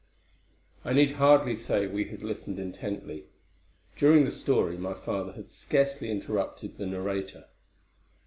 I need hardly say we had listened intently. During the story my father had scarcely interrupted the narrator.